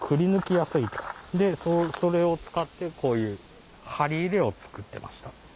それを使ってこういう針入れを作ってました。